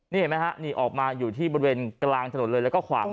นี่เห็นไหมฮะนี่ออกมาอยู่ที่บริเวณกลางถนนเลยแล้วก็ขวาง